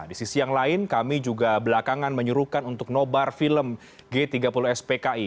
di sisi yang lain kami juga belakangan menyuruhkan untuk nobar film g tiga puluh spki